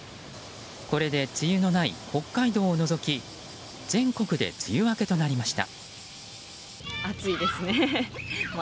これで梅雨のない北海道を除き全国で梅雨明けとなりました。